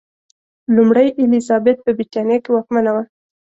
لومړۍ الیزابت په برېټانیا کې واکمنه وه.